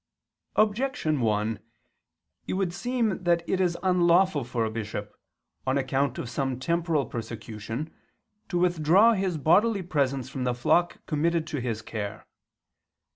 Objection 1: It would seem that it is unlawful for a bishop, on account of some temporal persecution, to withdraw his bodily presence from the flock committed to his care.